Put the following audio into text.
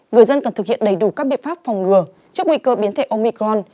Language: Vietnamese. người dân cần thực hiện đầy đủ các biện pháp phòng ngừa trước nguy cơ biến thể omicron